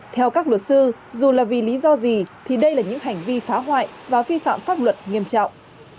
theo các luật sư dù là vì lý do gì thì đây là những hành vi phá hoại và vi phạm pháp luật nghiêm trọng